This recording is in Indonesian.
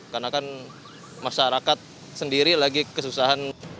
karena kan masyarakat sendiri lagi kesusahan